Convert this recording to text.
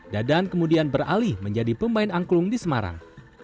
dadan kemudian beralih menjadi pemain angklung di semarang